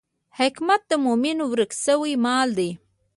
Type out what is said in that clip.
حکمت د مومن ورک شوی مال دی.